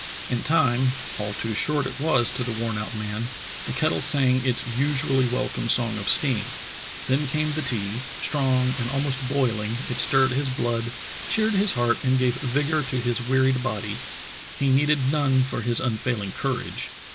In time, all too short it was to the worn out man, the kettle sang its usually welcome song of steam. Then came the tea — strong and almost boiling it stirred his blood, cheered his heart, and gave vigor to his wearied body; he needed none for his unfaiHng courage.